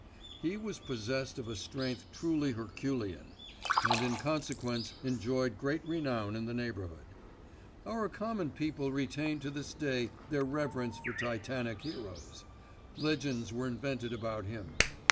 He was possessed of a strength truly Herculean, and in consequence enjoyed great renown in the neighbourhood. Our common people retain to this day their reverence for Titanic heroes. Legends were invented about him.